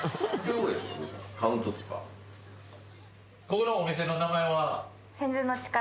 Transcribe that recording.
ここのお店の名前は？